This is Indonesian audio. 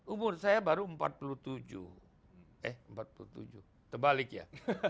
umur saya baru empat puluh tujuh eh empat puluh tujuh terbalik ya